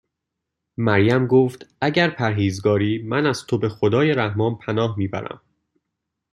مریم گفت: اگر پرهیزگاری، من از تو به خدای رحمان پناه میبرم